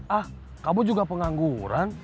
ah kamu juga pengangguran